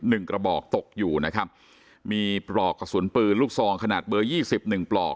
หนึ่งกระบอกตกอยู่นะครับมีปลอกกระสุนปืนลูกซองขนาดเบอร์ยี่สิบหนึ่งปลอก